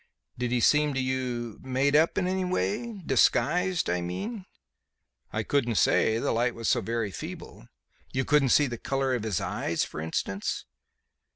"Did he seem to you 'made up' in any way; disguised, I mean?" "I couldn't say. The light was so very feeble." "You couldn't see the colour of his eyes, for instance?"